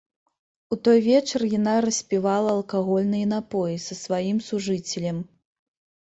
У той вечар яна распівала алкагольныя напоі са сваім сужыцелем.